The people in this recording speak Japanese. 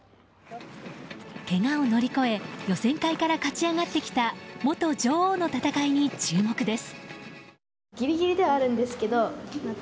けがを乗り越え予選会から勝ち上がってきた元女王の戦いに注目です。